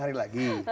sembilan hari lagi